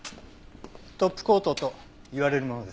トップコートと言われるものです。